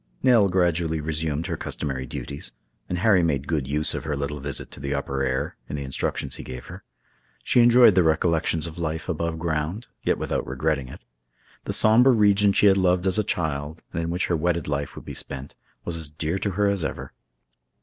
Nell gradually resumed her customary duties, and Harry made good use of her little visit to the upper air, in the instructions he gave her. She enjoyed the recollections of life above ground, yet without regretting it. The somber region she had loved as a child, and in which her wedded life would be spent, was as dear to her as ever.